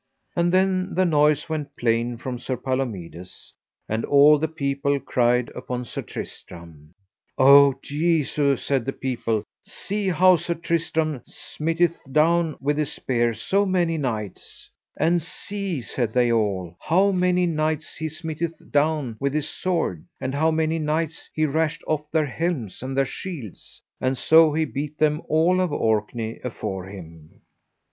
And then the noise went plain from Sir Palomides, and all the people cried upon Sir Tristram. O Jesu, said the people, see how Sir Tristram smiteth down with his spear so many knights. And see, said they all, how many knights he smiteth down with his sword, and of how many knights he rashed off their helms and their shields; and so he beat them all of Orkney afore him.